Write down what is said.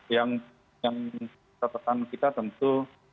yang catatan kita tentu